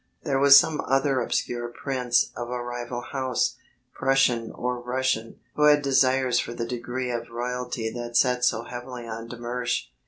There was some other obscure prince of a rival house, Prussian or Russian, who had desires for the degree of royalty that sat so heavily on de Mersch.